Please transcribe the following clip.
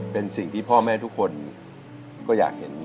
เป็นสิ่งที่พ่อแม่ทุกคนก็อยากเห็น